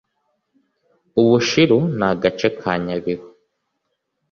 Ubushiru Ni agace ka Nyabihu